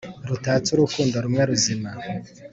Rutatse urukundo rumwe ruzima!